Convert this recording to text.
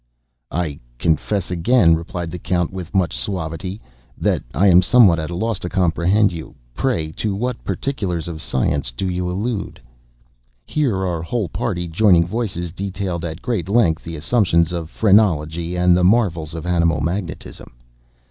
"I confess again," replied the Count, with much suavity, "that I am somewhat at a loss to comprehend you; pray, to what particulars of science do you allude?" Here our whole party, joining voices, detailed, at great length, the assumptions of phrenology and the marvels of animal magnetism.